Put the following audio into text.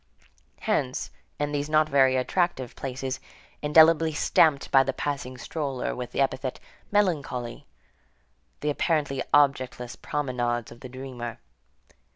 Hence, in these not very attractive places, indelibly stamped by the passing stroller with the epithet: melancholy, the apparently objectless promenades of the dreamer.